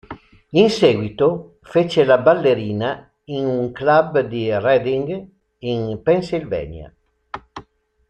In seguito, fece la ballerina in un club di Reading in Pennsylvania.